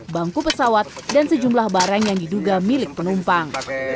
bangku pesawat dan sejumlah barang yang diduga milik penumpang